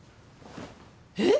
えっ！？